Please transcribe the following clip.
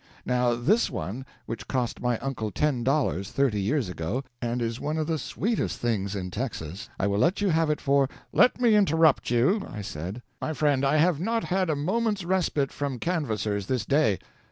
Now this one, which cost my uncle ten dollars, thirty years ago, and is one of the sweetest things in Texas, I will let you have for "Let me interrupt you," I said. "My friend, I have not had a moment's respite from canvassers this day.